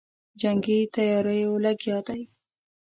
جنګي تیاریو لګیا دی.